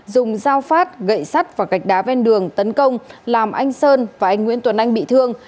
dùng dao phát gậy sắt và gạch đá ven đường tấn công làm anh sơn và anh nguyễn tuấn anh bị thương